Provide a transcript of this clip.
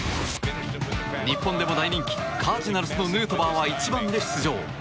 日本でも大人気カージナルスのヌートバーは１番で出場。